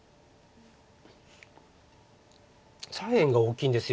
左辺が大きいんです。